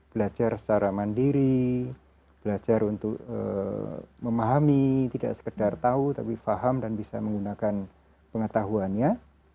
belajar secara mandiri belajar untuk memahami tidak sekedar tahu tapi faham dan bisa menggunakan pengetahuannya